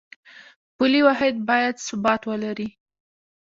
پولي واحد باید ثبات ولري